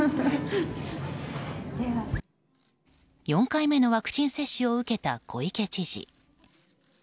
４回目のワクチン接種を受けた小池知事。